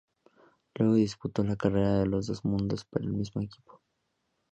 Luego disputó la Carrera de los Dos Mundos para el mismo equipo.